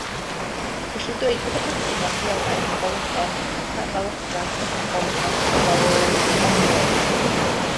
Gellir dweud fod yr hecsagon rheolaidd yn bolygon hafalochrog ac yn bolygon hafalonglog.